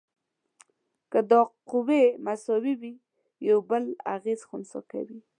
که دا قوې مساوي وي یو بل اغیزې خنثی کوي.